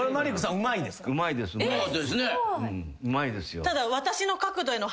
うまいですよ。